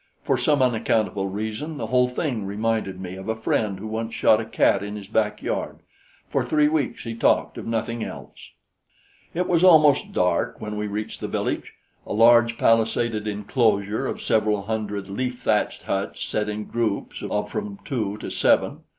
For some unaccountable reason the whole thing reminded me of a friend who once shot a cat in his backyard. For three weeks he talked of nothing else. It was almost dark when we reached the village a large palisaded enclosure of several hundred leaf thatched huts set in groups of from two to seven.